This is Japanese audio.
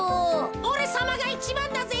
おれさまがいちばんだぜ。